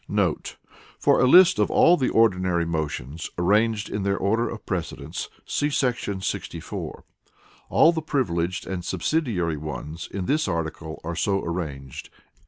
* [For a list of all the ordinary motions, arranged in their order of precedence, see § 64. All the Privileged and Subsidiary ones in this Article are so arranged.